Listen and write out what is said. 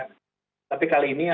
tapi kali ini alhamdulillah